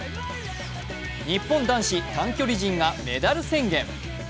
日本男子短距離陣がメダル宣言。